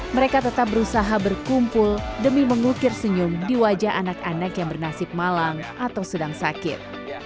mereka tetap berusaha berkumpul demi mengukir senyum di wajah anak anak yang bernasib malang atau sedang sakit